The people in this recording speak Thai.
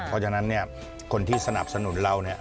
เพราะฉะนั้นเนี่ยคนที่สนับสนุนเราเนี่ย